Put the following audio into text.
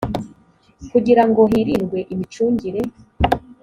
kugira ngo hirindwe imicungire